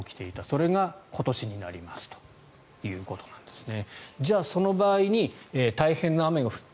それが今年なりますということなんですね。